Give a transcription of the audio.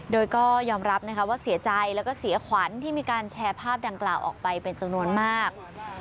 โดยก็ยอมรับนะคะว่าเสียใจแล้วก็เสียขวัญที่มีการแชร์ภาพดังกล่าวออกไปเป็นจำนวนมาก